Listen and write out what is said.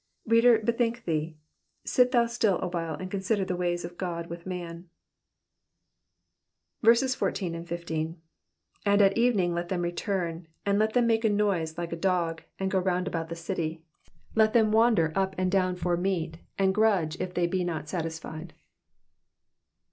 Header, bethink thee. Sit thou still awhile and consider the ways of God with man. 14 And at evening let them return ; and let them make a noise like a dog, and go round about the city. 15 Let them wander up and down for meat, and grudge if they be not satisfied.